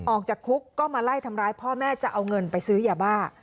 ออกจากคุกก็มาไล่ทำร้ายพ่อแม่จะเอาเงินไปซื้อยาบ้า